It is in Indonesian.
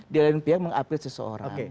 di lain pihak meng upgrade seseorang